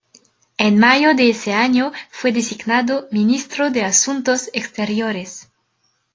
En mayo de ese año fue designado ministro de asuntos exteriores.